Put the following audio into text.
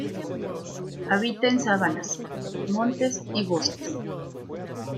Habita en sabanas, montes y bosques.